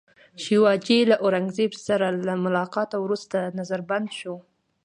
شیوا جي له اورنګزېب سره له ملاقاته وروسته نظربند شو.